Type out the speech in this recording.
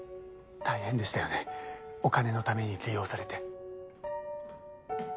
大変でしたよねお金のために利用されて。